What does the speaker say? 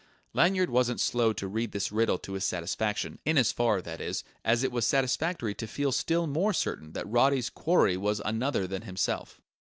Lanyard wasn't slow to read this riddle to his satisfaction in as far, that is, as it was satisfactory to feel still more certain that Roddy's quarry was another than himself.